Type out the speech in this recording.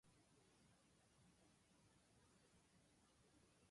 今日は雨が降るから傘を持って行かなくてはいけない